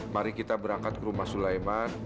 mari kita berangkat ke rumah sulaiman